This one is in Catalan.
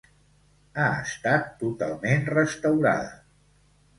Ha estat totalment restaurada.